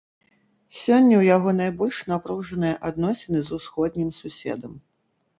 Сёння ў яго найбольш напружаныя адносіны з усходнім суседам.